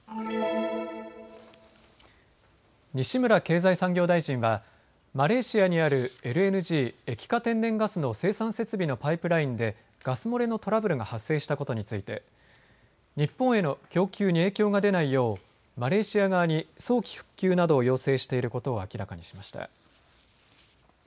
西村経済産業大臣はマレーシアにあるＬＮＧ・液化天然ガスの生産設備のパイプラインでガス漏れのトラブルが発生したことについて日本への供給に影響が出ないようマレーシア側に早期復旧などを要請していることを明らかにしました。